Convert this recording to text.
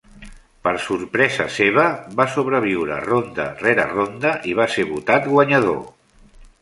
Per sorpresa seva, va sobreviure ronda rere ronda i va ser votat guanyador.